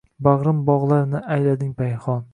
Bag‘rim bog‘larini aylading payxon